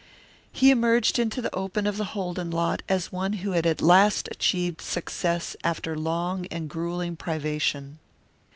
He emerged into the open of the Holden lot as one who had at last achieved success after long and gruelling privation.